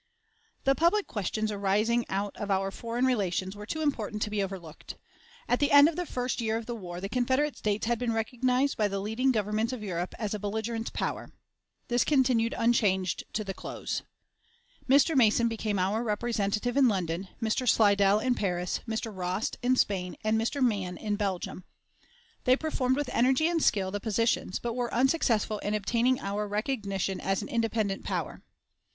The public questions arising out of our foreign relations were too important to be overlooked. At the end of the first year of the war the Confederate States had been recognized by the leading governments of Europe as a belligerent power. This continued unchanged to the close. Mr. Mason became our representative in London, Mr. Slidell in Paris, Mr. Rost in Spain, and Mr. Mann in Belgium. They performed with energy and skill the positions, but were unsuccessful in obtaining our recognition as an independent power.